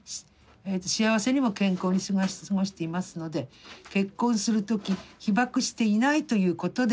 幸せにも健康に過ごしていますので結婚する時被爆していないということで結婚させたと。